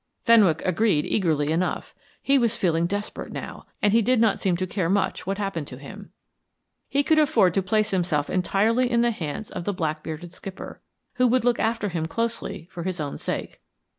Fenwick agreed eagerly enough; he was feeling desperate now, and he did not seem to care much what happened to him. He could afford to place himself entirely in the hands of the black bearded skipper, who would look after him closely for his own sake.